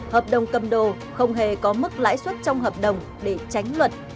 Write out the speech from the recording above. hợp đồng cầm đồ không hề có mức lãi suất trong hợp đồng để tránh luật